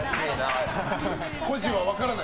こじは分からない？